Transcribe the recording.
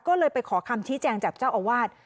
ก็เลยไปขอคำชี้แจงจากเจ้าอาวาส